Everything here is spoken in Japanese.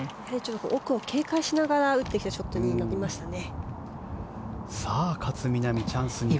奥を警戒しながら打っていったショットになりましたね。